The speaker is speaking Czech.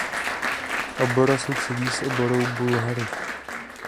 Obora sousedí s oborou Bulhary.